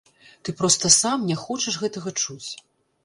Ты проста сам не хочаш гэтага чуць.